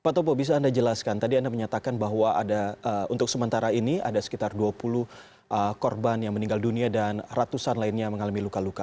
pak topo bisa anda jelaskan tadi anda menyatakan bahwa ada untuk sementara ini ada sekitar dua puluh korban yang meninggal dunia dan ratusan lainnya mengalami luka luka